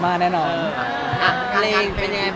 และยกรับ